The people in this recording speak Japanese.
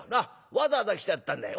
わざわざ来てやったんだよ。